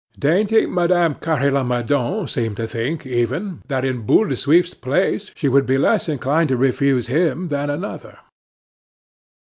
Dainty Madame Carre Lamadon seemed to think even that in Boule de Suif's place she would be less inclined to refuse him than another.